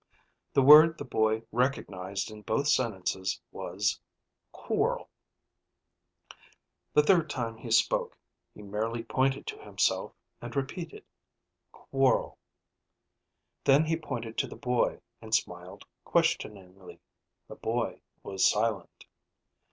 The word the boy recognized in both sentences was, "... Quorl ..." The third time he spoke, he merely pointed to himself and repeated, "Quorl." Then he pointed to the boy and smiled questioningly. The boy was silent.